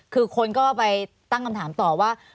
คือคนก็ไปตั้งคำถามต่อว่า